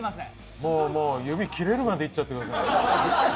もうもう指切れるまでいっちゃってください